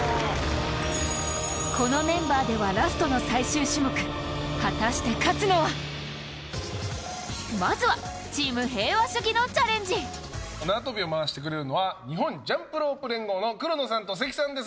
このメンバーではラストの最終種目まずはチーム平和主義のチャレンジ縄跳びを回してくれるのは日本ジャンプロープ連合の黒野さんと関さんです。